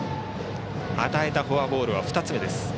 与えたフォアボールは２つ目です。